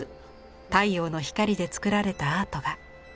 太陽の光で作られたアートが。